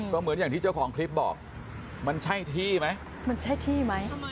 ก็เหมือนอย่างที่เจ้าของคลิปบอกมันใช่ที่ไหมมันใช่ที่ไหม